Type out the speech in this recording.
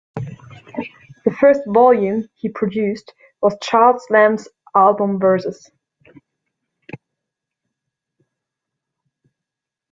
The first volume he produced was Charles Lamb's "Album Verses".